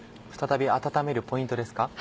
再び温めるポイントですか？